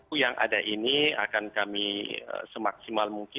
oh yang ada ini akan kami semaksimal mungkin